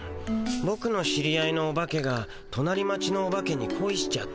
ボクの知り合いのオバケがとなり町のオバケにこいしちゃって。